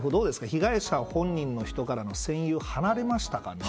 被害者本人の人からの占有、離れましたかね。